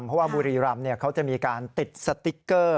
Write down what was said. เพราะว่าบุรีรำเขาจะมีการติดสติ๊กเกอร์